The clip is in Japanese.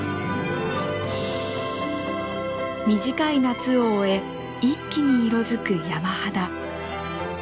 短い夏を終え一気に色づく山肌。